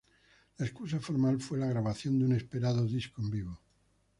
La excusa formal fue la grabación de un esperado disco en vivo.